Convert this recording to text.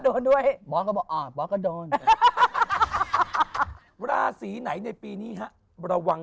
โดนด้วยหมอก็บอกอ่าหมอก็โดนราศีไหนในปีนี้ฮะระวัง